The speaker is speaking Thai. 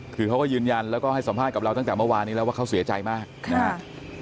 คือเขาก็ยืนยันแล้วก็ให้สัมภาษณ์กับเราตั้งแต่เมื่อวานนี้แล้วว่าเขาเสียใจมากนะครับ